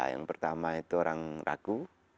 yang pertama itu orang ragu